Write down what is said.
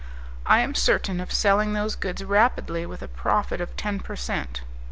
I am certain of selling those goods rapidly with a profit of ten per cent.